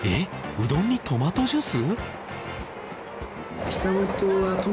うどんにトマトジュース！？